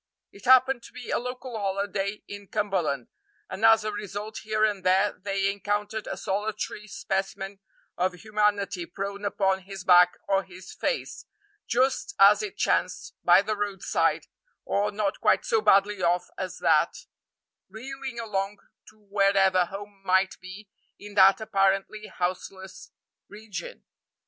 It happened to be a local holiday in Cumberland, and as a result here and there they encountered a solitary specimen of humanity prone upon his back or his face, just as it chanced, by the roadside, or, not quite so badly off as that, reeling along to wherever home might be in that apparently houseless region.